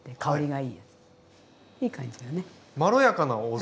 いい感じだね。